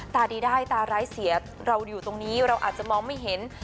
ตาดีได้ตาร้ายเสียเราอยู่ตรงนี้เราอาจจะมองไม่เห็น